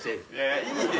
いいです。